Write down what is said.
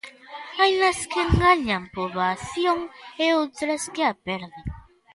Hainas que gañan poboación e outras que a perden.